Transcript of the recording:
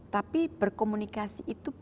tapi berkomunikasi itu